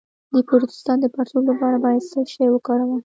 د پروستات د پړسوب لپاره باید څه شی وکاروم؟